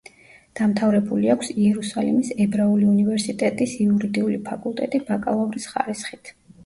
დამთავრებული აქვს იერუსალიმის ებრაული უნივერსიტეტის იურიდიული ფაკულტეტი ბაკალავრის ხარისხით.